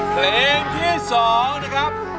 เพลงที่๒นะครับ